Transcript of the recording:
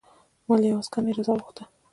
ما له یوه عسکر نه اجازه وغوښته.